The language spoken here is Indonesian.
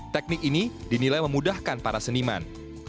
teknik ini dinilai memudahkan para seniman